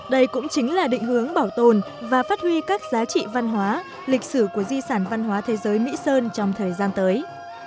đây cũng chính là định hướng bảo tồn và phát huy các giá trị văn hóa lịch sử của di sản văn hóa thế giới mỹ sơn trong thời gian tới